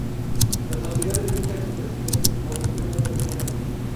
La Sociedad elige a sus presidentes por un período de tres años.